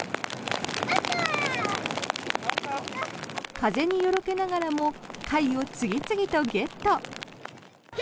風によろけながらも貝を次々とゲット。